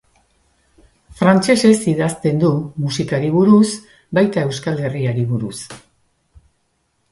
Frantsesez idazten du, musikari buruz, baita Euskal Herriari buruz.